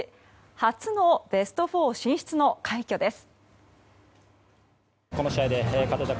初のベスト４進出の快挙です。